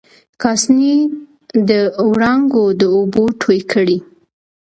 کاسي د و ړانګو د اوبو توی کړي